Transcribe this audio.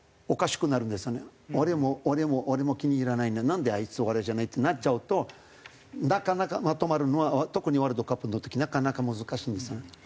俺も俺も俺も気に入らないのになんであいつは俺じゃないってなっちゃうとなかなかまとまるのは特にワールドカップの時なかなか難しいんですよね。